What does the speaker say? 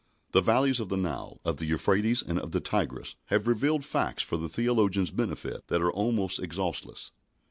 The valleys of the Nile, of the Euphrates, and of the Tigris have revealed facts for the theologian's benefit that are almost exhaustless.